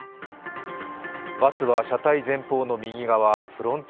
バスは車体前方の右側フロント